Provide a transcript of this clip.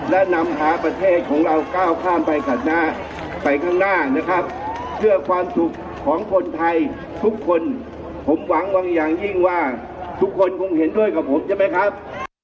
ลุงป้อมดูแข็งแรงดีนะครับ